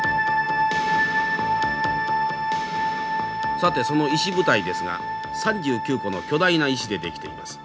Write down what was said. さてその石舞台ですが３９個の巨大な石で出来ています。